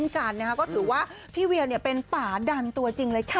คือกว่าเหพีเวียนเป็นผ่าดันตัวจริงเลยค่ะ